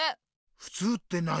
ふつうって何？